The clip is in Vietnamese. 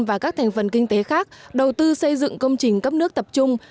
và các thành phần kinh tế khác đầu tư xây dựng công trình cấp nước tập trung